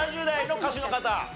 ７０代の歌手の方。